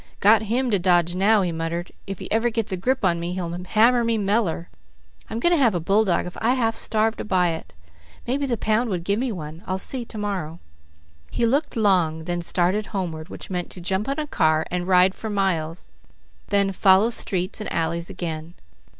"Got him to dodge now," he muttered. "If he ever gets a grip on me he'll hammer me meller! I'm going to have a bulldog if I half starve to buy it. Maybe the pound would give me one. I'll see to morrow." He looked long, then started homeward, which meant to jump on a car and ride for miles, then follow streets and alleys again.